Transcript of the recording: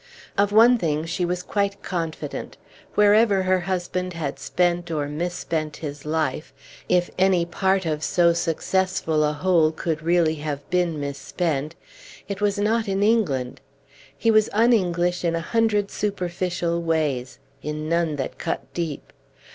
Of one thing she was quite confident; wherever her husband had spent or misspent his life (if any part of so successful a whole could really have been misspent), it was not in England. He was un English in a hundred superficial ways in none that cut deep.